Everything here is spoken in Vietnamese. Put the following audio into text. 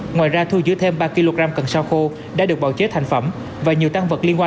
ngoài ra thu giữ thêm ba kg cần sao khô đã được bầu chế thành phẩm và nhiều tăng vật liên quan